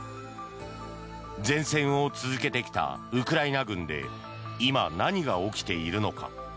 善戦を続けてきたウクライナ軍で今、何が起きているのか。